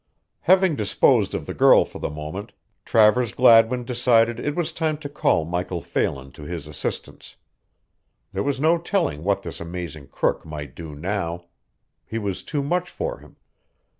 Having disposed of the girl for the moment, Travers Gladwin decided it was time to call Michael Phelan to his assistance. There was no telling what this amazing crook might do now. He was too much for him.